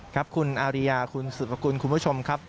ครับคุณอาริยาคุณสุภกุลคุณผู้ชมครับ